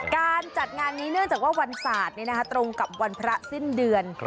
การจัดงานนี้เนื่องจากว่าวันศาสตร์ตรงกับวันพระสิ้นเดือน